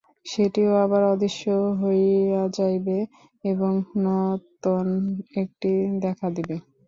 সেটিও আবার অদৃশ্য হইয়া যাইবে, এবং নূতন একটি দেখা দিবে।